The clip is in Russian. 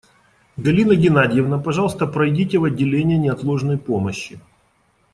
Галина Геннадьевна, пожалуйста, пройдите в отделение неотложной помощи.